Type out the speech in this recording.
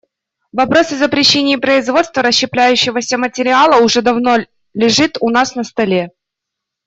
Вопрос о запрещении производства расщепляющегося материала уже давно лежит у нас на столе.